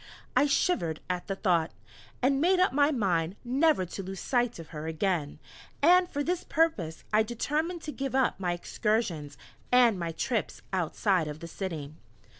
I shivered at the thought! and made up my mind never to lose sight of her again, and for this purpose I determined to give up my excursions, and my trips outside of the city.